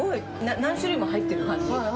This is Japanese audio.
何種類も入ってる感じ。